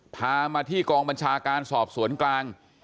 พามาที่กองบัญชาการสอบสวนกลาง